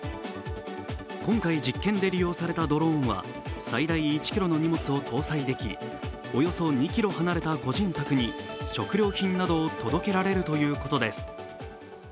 今回実験で利用されたドローンは最大１ｋｇの荷物を搭載できおよそ２ｋｍ離れた個人宅に食料品などを届けられるということです。